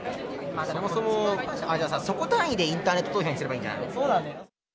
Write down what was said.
そもそも、じゃあ、そこ単位でインターネット投票にすればいいんじゃないの？